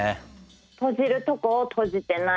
とじるとこをとじてない。